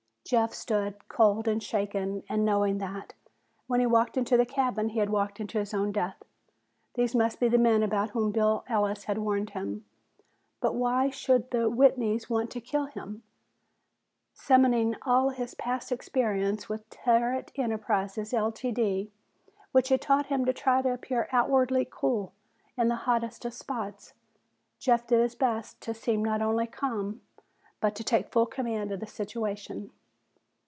Jeff stood, cold and shaken and knowing that, when he walked into the cabin, he had walked into his own death. These must be the men about whom Bill Ellis had warned him. But why should the Whitneys want to kill him? Summoning all his past experience with Tarrant Enterprises, Ltd., which had taught him to try to appear outwardly cool in the hottest of spots, Jeff did his best to seem not only calm but to take full command of the situation.